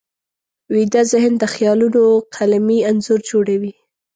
ویده ذهن د خیالونو قلمي انځور جوړوي